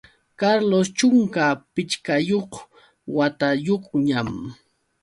Carlos chunka pichqayuq watayuqñam.